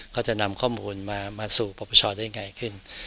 เขาจะนำข้อมูลมาสู่ประปเชาะได้ยังไงขึ้น